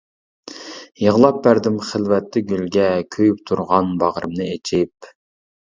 يىغلاپ بەردىم خىلۋەتتە گۈلگە، كۆيۈپ تۇرغان باغرىمنى ئېچىپ.